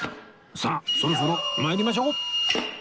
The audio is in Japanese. さあそろそろ参りましょう